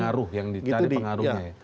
pengaruh yang ditarik pengaruhnya ya